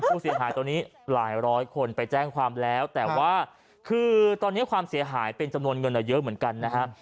ผู้เสียหายตอนนี้หลายร้อยคนไปแจ้งความแล้วแต่ว่าคือตอนนี้ความเสียหายเป็นจำนวนเงินเยอะเหมือนกันนะฮะ